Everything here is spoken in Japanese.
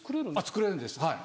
作れるんですはい。